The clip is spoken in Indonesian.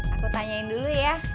aku tanyain dulu ya